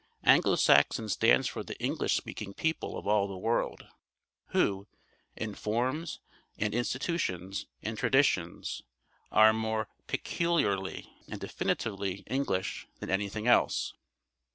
Anglo Saxon stands for the English speaking people of all the world, who, in forms and institutions and traditions, are more peculiarly and definitely English than anything else.